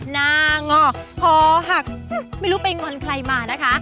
ง่อคอหักไม่รู้ไปงอนใครมานะคะ